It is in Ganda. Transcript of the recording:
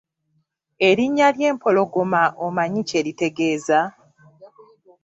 Erinnya ly’empologoma omanyi kye litegeeza?